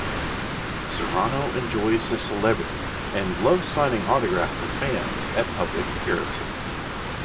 Serrano enjoys his celebrity and loves signing autographs for fans at public appearances.